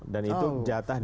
dan itu jatah dia